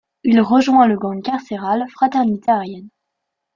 Il y rejoint le gang carcéral Fraternité aryenne.